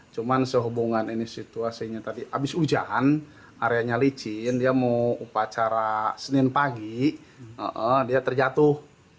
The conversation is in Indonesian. cuma sehubungan ini situasinya tadi habis hujan areanya licin dia mau upacara senin pagi dia terjatuh